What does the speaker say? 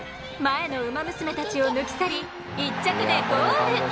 前のウマ娘たちを抜き去り１着でゴール！